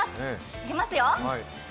いきますよ。